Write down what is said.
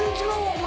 お前。